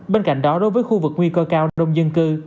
bên cạnh đó đối với khu vực nguy cơ cao đông dân cư